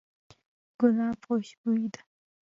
ګلاب خوشبوی دی.